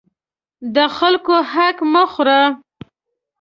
د خلکو حق مه خوره.